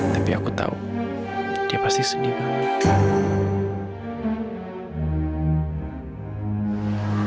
tapi aku tahu dia pasti sedih banget